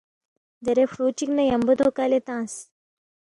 دیرے فُرو چِک نہ ن٘یمبو دو کلے تنگس